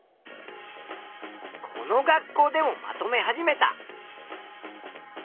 この学校でもまとめ始めた。